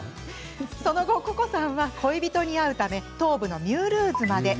そのあとココさんは恋人に会うため東部のミュールーズまで。